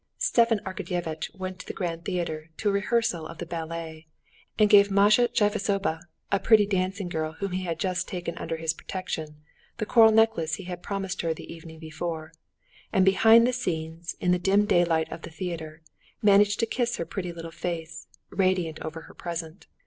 Stepan Arkadyevitch went to the Grand Theater to a rehearsal of the ballet, and gave Masha Tchibisova, a pretty dancing girl whom he had just taken under his protection, the coral necklace he had promised her the evening before, and behind the scenes in the dim daylight of the theater, managed to kiss her pretty little face, radiant over her present.